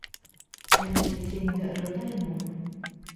Әллә сисәйем дә ырғытайыммы?